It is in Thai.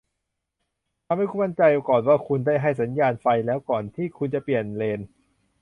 ทำให้มั่นใจก่อนว่าคุณได้ให้สัญญาณไฟแล้วก่อนที่คุณจะเปลี่ยนเลน